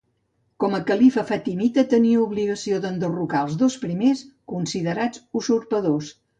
Com a califa fatimita tenia obligació d'enderrocar als dos primers, considerats usurpadors.